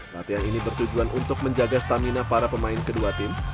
latihan ini bertujuan untuk menjaga stamina para pemain kedua tim